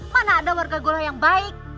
mana ada warga golai yang baik